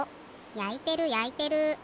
やいてるやいてる。